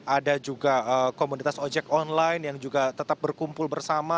ada juga komunitas ojek online yang juga tetap berkumpul bersama